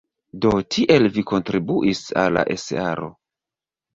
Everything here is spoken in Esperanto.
Do, tiel vi kontribuis al la esearo!